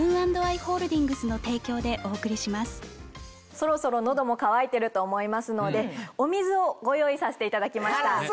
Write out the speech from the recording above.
そろそろ喉も乾いてると思いますのでお水をご用意させていただきました。